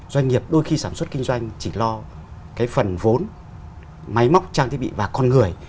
doanh nghiệp đôi khi sản xuất kinh doanh chỉ lo cái phần vốn máy móc trang thiết bị và con người